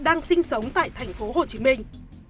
đang sinh sống tại thành phố hồ chí minh